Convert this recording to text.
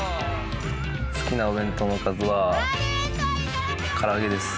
好きなお弁当のおかずは、から揚げです。